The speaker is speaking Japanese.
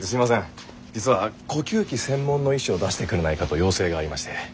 実は呼吸器専門の医師を出してくれないかと要請がありまして。